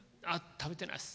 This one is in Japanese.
食べてないです。